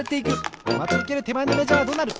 まちうけるてまえのメジャーはどうなる？